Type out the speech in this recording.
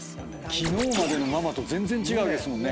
昨日までのママと全然違うわけですもんね。